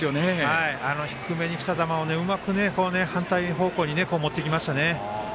低めにきた球を、うまく反対方向に持っていきましたね。